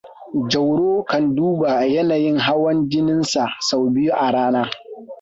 Jauro kan duba yanayin hawan jininsa sau biyu a rana.